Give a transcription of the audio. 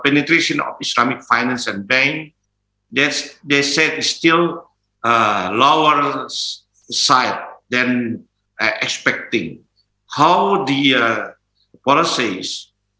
penetrasan keuangan dan bank islami mereka bilang masih lebih rendah dari yang diharapkan